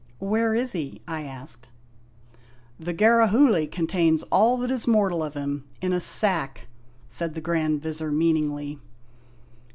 "Where is he?" I asked. "The Garahoogly contains all that is mortal of him, in a sack!" said the Grand Vizir meaningly.